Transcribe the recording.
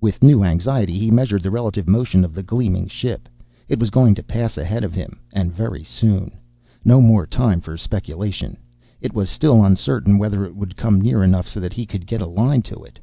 With new anxiety, he measured the relative motion of the gleaming ship. It was going to pass ahead of him. And very soon. No more time for speculation. It was still uncertain whether it would come near enough so that he could get a line to it.